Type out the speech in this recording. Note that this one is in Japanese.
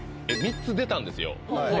３つ出たんですよ